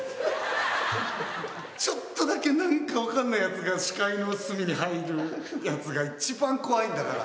ちょっとだけなんかわかんないやつが視界の隅に入るやつが一番怖いんだから。